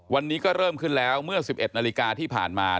วันนี้ก็เริ่มขึ้นแล้วเมื่อ๑๑นาฬิกาที่ผ่านมา